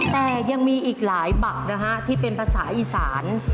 แต่ยังมีอีกหลายบักนะฮะที่เป็นภาษาอีสาน